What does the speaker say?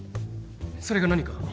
それが何か？